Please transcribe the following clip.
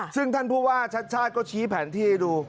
ซึ่งท่านผู้ว่าชัดชาติก็ชี้แผนที่ให้ดู